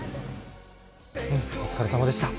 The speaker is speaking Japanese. お疲れさまでした。